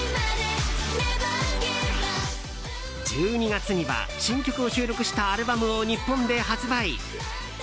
１２月には新曲を収録したアルバムを日本で発売。